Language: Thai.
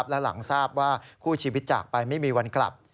และหลังทราบว่าคู่ชีวิตจากไปไม่มีวันกลับ